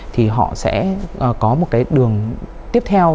thì họ sẽ có một cái đường tiếp theo